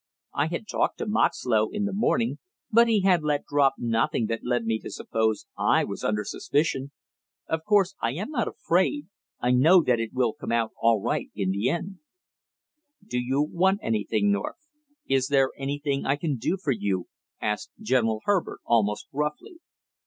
I had talked to Moxlow in the morning, but he had let drop nothing that led me to suppose I was under suspicion. Of course I am not afraid. I know that it will come out all right in the end " "Do you want anything, North? Is there anything I can do for you?" asked General Herbert almost roughly.